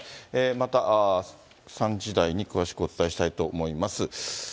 また３時台に詳しくお伝えしたいと思います。